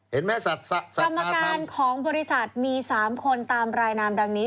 เห็นไหมสัตธาธรรมสามการของบริษัทมี๓คนตามรายนามดังนี้